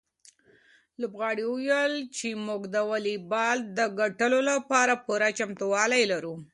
لوبغاړي وویل چې موږ د واليبال د ګټلو لپاره پوره چمتووالی لرو.